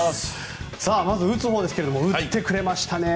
まず、打つほうですが打ってくれましたね。